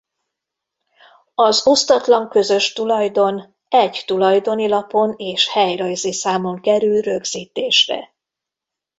Az osztatlan közös tulajdon egy tulajdoni lapon és helyrajzi számon kerül rögzítésre.